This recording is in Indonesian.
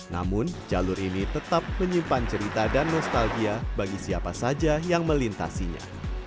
namun jalur ini tetap menyimpan cerita dan nostalgia bagi siapa saja yang melintasinya